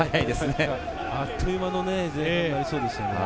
あっという間の前半になりそうです。